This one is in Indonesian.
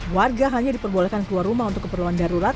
warga hanya diperbolehkan keluar rumah untuk keperluan darurat